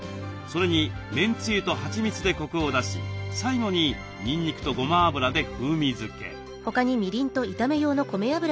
それにめんゆつとはちみつでコクを出し最後ににんにくとごま油で風味付け。